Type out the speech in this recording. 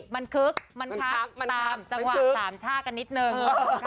มันคึกมันพักตามจังหวะสามชาติกันนิดนึง